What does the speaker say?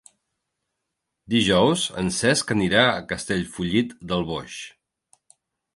Dijous en Cesc anirà a Castellfollit del Boix.